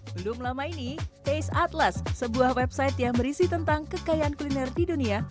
belum lama ini taste atlas sebuah website yang berisi tentang kekayaan kuliner di dunia